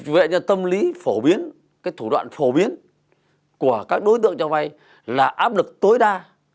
vậy nên tâm lý phổ biến cái thủ đoạn phổ biến của các đối tượng cho vay là áp lực tối đa